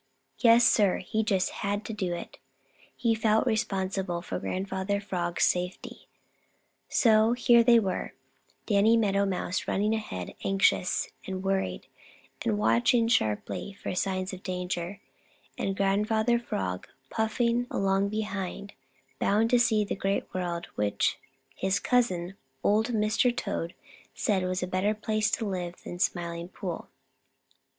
Yes, Sir, he just had to do it. He felt re spon sible for Grandfather Frog's safety. So here they were, Danny Meadow Mouse running ahead, anxious and worried and watching sharply for signs of danger, and Grandfather Frog puffing along behind, bound to see the Great World which his cousin, old Mr. Toad, said was a better place to live in than the Smiling Pool.